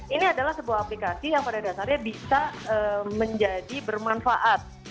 ini adalah sebuah aplikasi yang pada dasarnya bisa menjadi bermanfaat